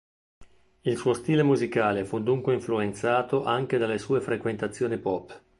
Il suo stile musicale fu dunque influenzato anche dalle sue frequentazioni pop.